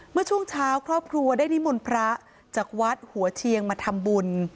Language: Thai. เมื่อช่วงเช้าครอบครัวได้นิมนต์พระจากวัดหัวเชียงมาทำบุญ